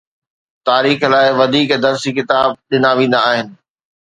تاريخ لاءِ وڌيڪ درسي ڪتاب ڏنا ويندا آهن.